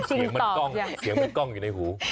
เสียงมันก้องอยู่ในหู